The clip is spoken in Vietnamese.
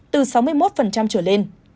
từ sáu mươi một trở lên